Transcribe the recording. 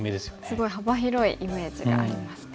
すごい幅広いイメージがありますね。